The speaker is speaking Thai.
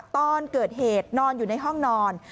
ตอนเกิดเหตุนอนอยู่ในห้องนอน